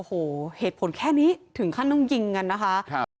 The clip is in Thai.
โอ้โหเหตุผลแค่นี้ถึงขั้นต้องยิงกันนะคะครับ